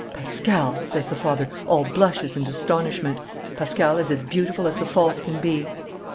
'Pascal,' says the father, all blushes and astonishment; 'Pascal is as beautiful as the false can be.